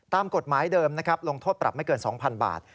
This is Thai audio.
ตามกฎหมายเดิมนะครับลงโทษปรับไม่เกิน๒๐๐๐บาท